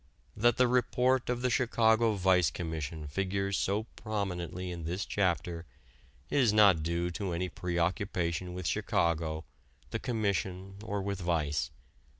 That the report of the Chicago Vice Commission figures so prominently in this chapter is not due to any preoccupation with Chicago, the Commission or with vice.